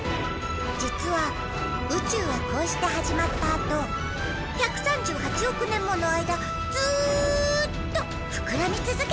実は宇宙はこうして始まったあと１３８億年もの間ずっとふくらみつづけているの。